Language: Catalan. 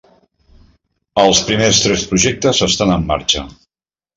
Els primers tres projectes estan en marxa.